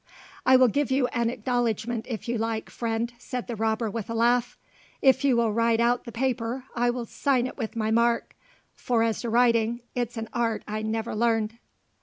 "I will give you an acknowledgment if you like, friend," said the robber with a laugh. "If you will write out the paper, I will sign it with my mark; for as to writing, it's an art I never learned."